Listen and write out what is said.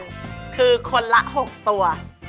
คือคนละ๖ตัว